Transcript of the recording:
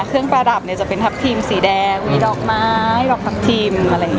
เครื่องประดับจะเป็นทัพทีมสีแดงดอกไม้ดอกทัพทีม